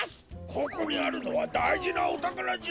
ここにあるのはだいじなおたからじゃ。